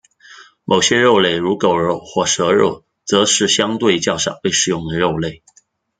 某些肉类如狗肉或蛇肉则是相对较少被食用的肉类。